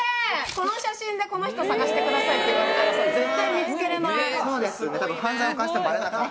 この写真でこの人捜してくださいって言われたらさ絶対見つけられない。